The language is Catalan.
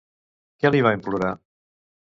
Què li va implorar?